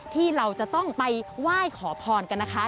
ที่เราจะต้องไปไหว้ขอพรกันนะคะ